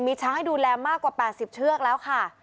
มีช้างให้ดูแลมากกว่า๘๐เชือกแล้วค่ะ